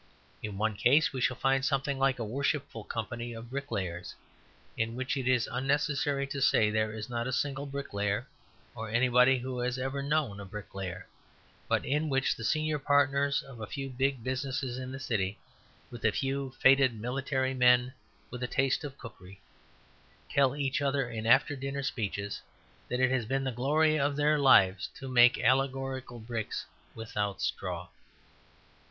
In one case we shall find something like a Worshipful Company of Bricklayers, in which, it is unnecessary to say, there is not a single bricklayer or anybody who has ever known a bricklayer, but in which the senior partners of a few big businesses in the City, with a few faded military men with a taste in cookery, tell each other in after dinner speeches that it has been the glory of their lives to make allegorical bricks without straw.